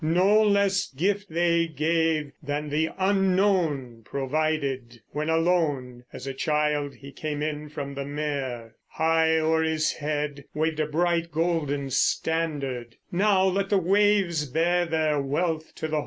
No less gift they gave than the Unknown provided, When alone, as a child, he came in from the mere. High o'er his head waved a bright golden standard Now let the waves bear their wealth to the holm.